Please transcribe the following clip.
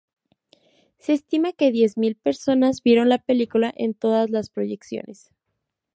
Se estima que diez mil personas vieron la película en todas las proyecciones.